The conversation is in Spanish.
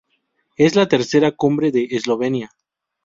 Es la tercera cumbre de Eslovenia.